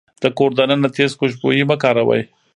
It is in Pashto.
د کور دننه تيز خوشبويي مه کاروئ.